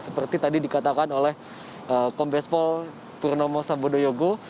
seperti tadi dikatakan oleh kompespol purnomo sambodayogo